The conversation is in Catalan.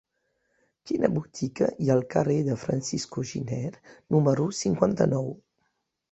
Quina botiga hi ha al carrer de Francisco Giner número cinquanta-nou?